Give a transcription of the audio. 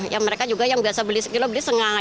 ya mereka juga yang biasa beli sekilo beli setengah